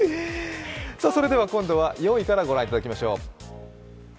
今度は４位からご覧いただきましょう。